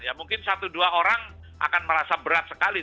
ya mungkin satu dua orang akan merasa berat sekali